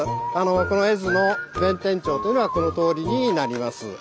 この絵図の弁天町というのはこの通りになります。